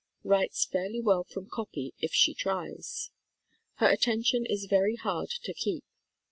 Writes fairly well from copy if she tries. Her attention is very hard to keep.